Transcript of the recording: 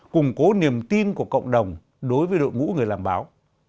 củng cố niềm tin của cộng đồng đối với đội ngũ người làm báo